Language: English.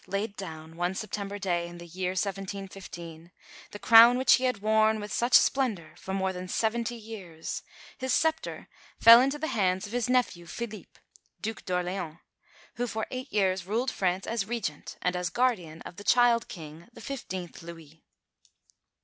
laid down, one September day in the year 1715, the crown which he had worn with such splendour for more than seventy years, his sceptre fell into the hands of his nephew Philippe, Duc d'Orléans, who for eight years ruled France as Regent, and as guardian of the child King, the fifteenth Louis.